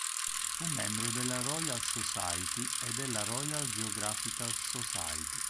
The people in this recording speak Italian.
Fu membro della Royal Society e della Royal Geographical Society.